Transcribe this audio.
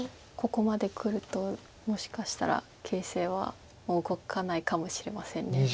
ここまでくるともしかしたら形勢は動かないかもしれません。